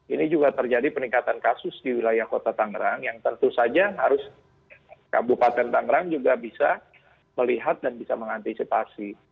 ini juga terjadi peningkatan kasus di wilayah kota tangerang yang tentu saja harus kabupaten tangerang juga bisa melihat dan bisa mengantisipasi